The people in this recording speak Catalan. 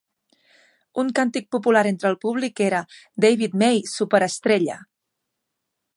Un càntic popular entre el públic era ""David May, superestrella!